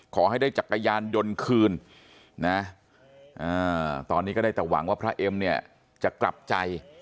ขอให้ได้จักรยานยนต์คืนนะตอนนี้ก็ได้แต่หวังว่าพระเอ็มเนี่ยจะกลับใจ